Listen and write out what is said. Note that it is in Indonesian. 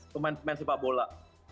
pemain sepak bola